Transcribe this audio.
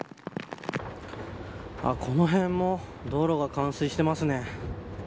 この辺も道路が冠水してますね。